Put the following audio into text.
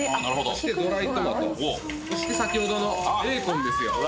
そして先ほどのベーコンですよ。